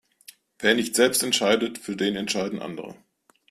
Wer nicht selbst entscheidet, für den entscheiden andere.